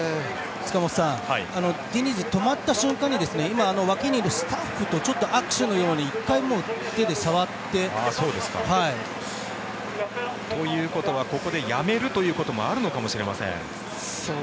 塚本さんディニズ、止まった瞬間に今、脇にいるスタッフと握手のように１回、手で触って。ということはここでやめるということもあるのかもしれません。